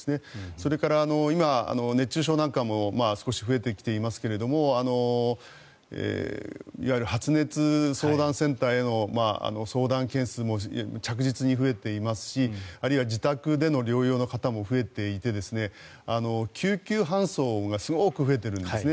それから今、熱中症なんかも少し増えてきていますがいわゆる発熱相談センターへの相談件数も着実に増えていますしあるいは自宅での療養の方も増えていて、救急搬送がすごく増えているんですね。